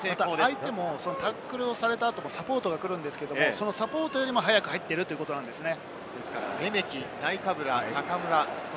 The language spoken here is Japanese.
相手もタックルをされたあと、サポートが来るんですけれども、そのサポートより早く入っているということですね。